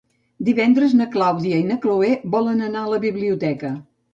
Divendres na Clàudia i na Cloè volen anar a la biblioteca.